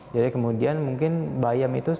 jadi kemudian mungkin bayam itu